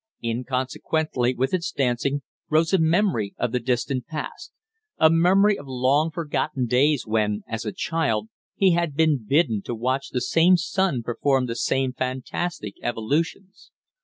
Inconsequently with its dancing rose a memory of the distant past a memory of long forgotten days when, as a child, he had been bidden to watch the same sun perform the same fantastic evolutions.